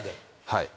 はい。